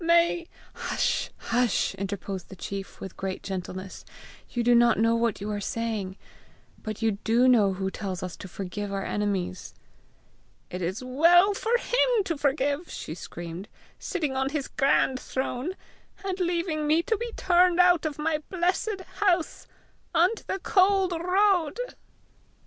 May " "Hush! hush!" interposed the chief with great gentleness. "You do not know what you are saying. But you do know who tells us to forgive our enemies!" "It's well for HIM to forgive," she screamed, "sitting on his grand throne, and leaving me to be turned out of my blessed house, on to the cold road!"